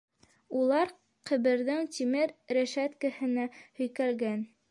Улар ҡәберҙең тимер рәшәткәһенә һөйкәлгән.